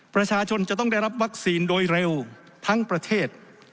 ประชาชนจะต้องได้รับวัคซีนโดยเร็วทั้งประเทศ